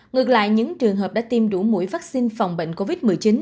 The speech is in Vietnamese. ngược lại những trường hợp đã tiêm đủ mũi vaccine phòng bệnh covid một mươi chín